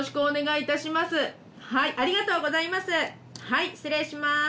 はい失礼します。